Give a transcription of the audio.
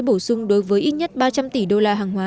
bổ sung đối với ít nhất ba trăm linh tỷ đô la hàng hóa